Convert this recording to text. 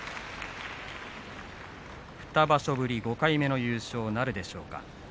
２場所ぶり５回目の優勝なるでしょうか。